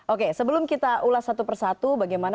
oke sebelum kita ulas satu persatu bagaimana